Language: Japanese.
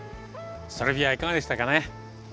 サルビアいかがでしたかね？